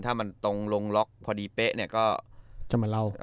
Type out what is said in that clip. ถ้ามันตรงลงล็อกพอดีเป๊ะเนี่ยก็จะมาเล่า